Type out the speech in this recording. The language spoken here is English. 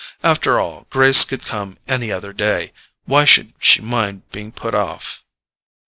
After all, Grace could come any other day; why should she mind being put off?